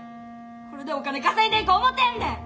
これでお金稼いでいこう思てんねん！